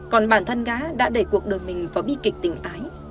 còn bản thân gá đã để cuộc đời mình vào bi kịch tình ái